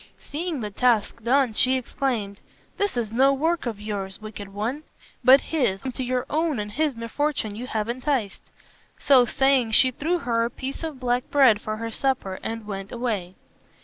Seeing the task done, she exclaimed, "This is no work of yours, wicked one, but his, whom to your own and his misfortune you have enticed." So saying, she threw her a piece of black bread for her supper and went away.